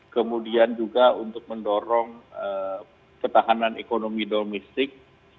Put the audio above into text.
kemudian juga untuk mendorong ketahanan ekonomi domestik